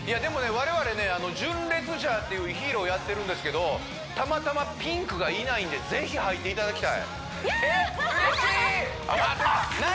我々ね純烈ジャーっていうヒーローやってるんですけどたまたまピンクがいないんで是非入っていただきたいえっ嬉しい！